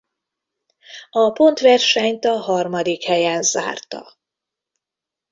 A pontversenyt a harmadik helyen zárta.